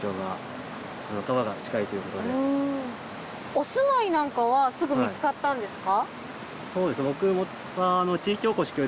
お住まいなんかはすぐ見つかったんですか？